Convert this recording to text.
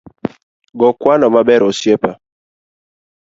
Go kwano maber osiepa